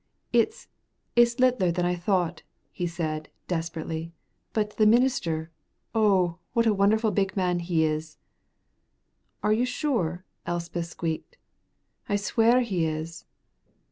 "It's it's littler than I thought," he said, desperately, "but the minister, oh, what a wonderful big man he is!" "Are you sure?" Elspeth squeaked. "I swear he is."